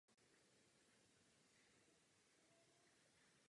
Cíle v oblasti životního prostředí se nemění a jsou náročné.